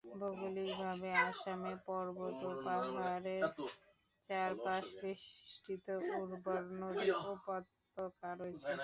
ভৌগোলিকভাবে আসামে পর্বত ও পাহাড়ের চারপাশে বেষ্টিত উর্বর নদী-উপত্যকা রয়েছে।